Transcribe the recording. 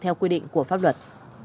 theo quy định của pháp luật